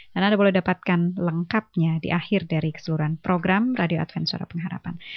dan anda boleh dapatkan lengkapnya di akhir dari keseluruhan program radio adventsura pengharapan